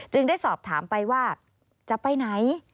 ได้สอบถามไปว่าจะไปไหน